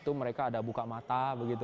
itu mereka ada buka mata begitu